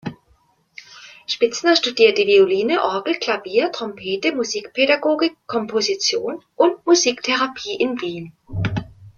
Spitzner studierte Violine, Orgel, Klavier, Trompete, Musikpädagogik, Komposition und Musiktherapie in Wien.